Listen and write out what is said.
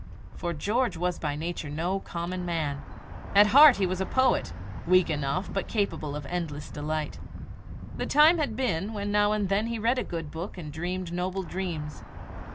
For George was by nature no common man. At heart he was a poet weak enough, but capable of endless delight. The time had been when now and then he read a good book and dreamed noble dreams.